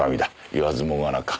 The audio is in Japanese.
言わずもがなか。